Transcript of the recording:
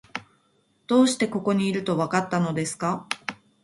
どうしてここにいると、わかったのですか？